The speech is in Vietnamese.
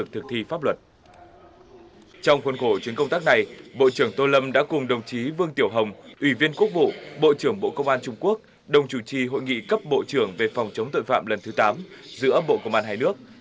trong khuôn khổ chuyến công tác này bộ trưởng tô lâm đã cùng đồng chí vương tiểu hồng ủy viên quốc vụ bộ trưởng bộ công an trung quốc đồng chủ trì hội nghị cấp bộ trưởng về phòng chống tội phạm lần thứ tám giữa bộ công an hai nước